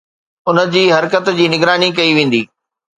ان جي حرڪت جي نگراني ڪئي ويندي